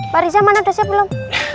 pak riza mana udah siap belum